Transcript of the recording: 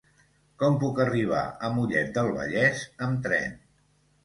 Com puc arribar a Mollet del Vallès amb tren?